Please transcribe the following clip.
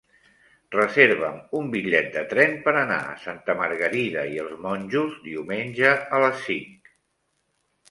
Reserva'm un bitllet de tren per anar a Santa Margarida i els Monjos diumenge a les cinc.